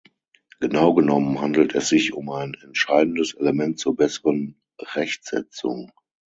Genau genommen handelt es sich um ein entscheidendes Element zur besseren Rechtsetzung.